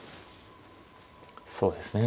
そうですね